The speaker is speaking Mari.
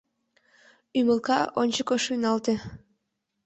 Ӱмылка ончыко шуйналте.